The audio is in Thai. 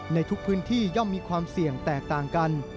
ในทุกพื้นที่ย่อมมีความเสี่ยงแตกต่างกัน